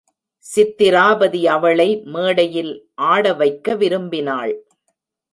சித்திராபதி அவளை மேடையில் ஆடவைக்க விரும்பினாள்.